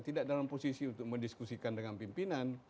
tidak dalam posisi untuk mendiskusikan dengan pimpinan